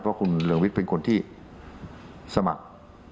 เพราะคุณเรืองวิทย์เป็นคนที่สมัคร